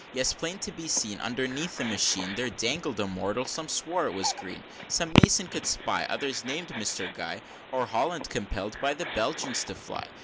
XVI. Yes, plain to be seen, Underneath the machine, There dangled a mortal some swore it was Green; Some mason could spy; Others named Mr. Gye; Or Holland, compell'd by the Belgians to fly.